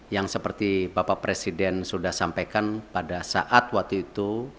yang seperti bapak presiden sudah sampaikan pada saat waktu itu